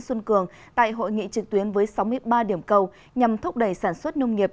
xuân cường tại hội nghị trực tuyến với sáu mươi ba điểm cầu nhằm thúc đẩy sản xuất nông nghiệp